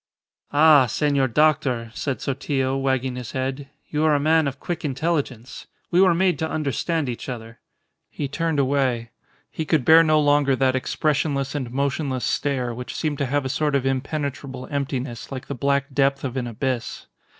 "Ah! senor doctor," said Sotillo, wagging his head, "you are a man of quick intelligence. We were made to understand each other." He turned away. He could bear no longer that expressionless and motionless stare, which seemed to have a sort of impenetrable emptiness like the black depth of an abyss.